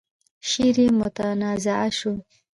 شعر يې متنازعه شو.